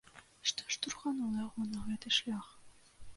Што штурханула яго на гэты шлях?